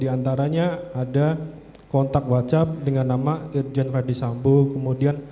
ahli juga tidak dapat menemukan riwat penghapusan percakapan